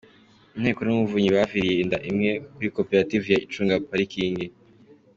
Inteko n’Umuvunyi baviriye inda imwe kuri Koperative ya icunga parikingi